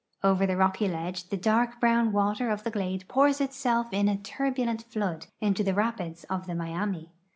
Over the rocky ledge the dark brown water of the glade pours itself in a turbulent flood into the rapids of the Miami.